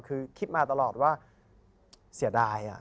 คือคิดมาตลอดว่าเสียดาย